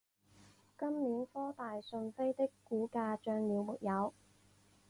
今年科大讯飞的股价涨了没有？